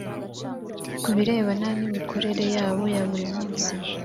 ku birebana n imikorere yabo ya buri munsi